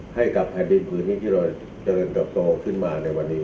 ให้กับแผ่นดินพื้นที่ที่เราเจริญเติบโตขึ้นมาในวันนี้